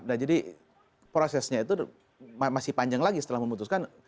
nah jadi prosesnya itu masih panjang lagi setelah memutuskan